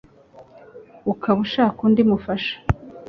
ukaba ushaka undi mufasha